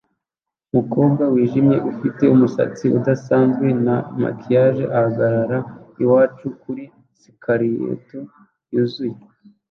Umukobwa wijimye ufite umusatsi udasanzwe na maquillage ahagarara iwacu kuri escalator yuzuye